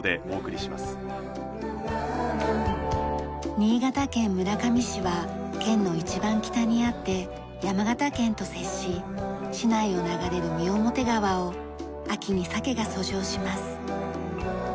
新潟県村上市は県の一番北にあって山形県と接し市内を流れる三面川を秋にサケが遡上します。